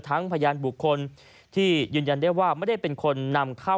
พยานบุคคลที่ยืนยันได้ว่าไม่ได้เป็นคนนำเข้า